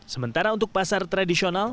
sementara untuk pasar tradisional